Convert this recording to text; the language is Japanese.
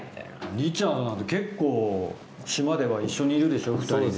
リチャードなんて結構島では一緒にいるでしょ２人で。